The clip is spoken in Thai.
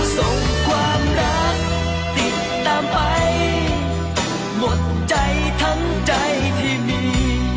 ส่งความรักติดตามไปหมดใจทั้งใจที่มี